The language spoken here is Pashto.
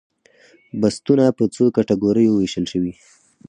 بستونه په څو کټګوریو ویشل شوي؟